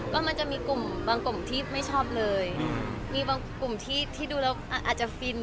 ก็มันจะมีกลุ่มบางกลุ่มที่ไม่ชอบเลยมีบางกลุ่มที่ที่ดูแล้วอาจจะฟิน